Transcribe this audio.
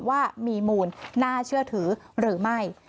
ว่ามีมูลน่าเชื่อถือหรือไม่